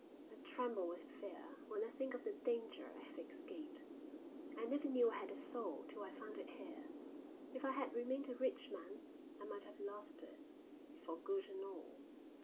"I tremble with fear when I think of the danger I have escaped. I never knew I had a soul till I found it here. If I had remained a rich man I might have lost it for good and all."